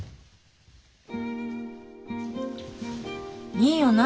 いいよな？